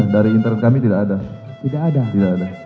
dari internet kami tidak ada